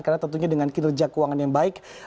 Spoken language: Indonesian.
karena tentunya dengan kinerja keuangan yang baik